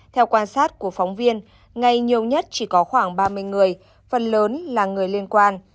theo quan sát của phóng viên ngày nhiều nhất chỉ có khoảng ba mươi người phần lớn là người liên quan